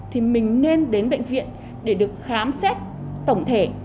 thì mình nên đến bệnh viện để được khám xét tổng thể